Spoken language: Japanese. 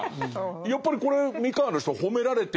やっぱりこれ三河の人褒められてるっていうか。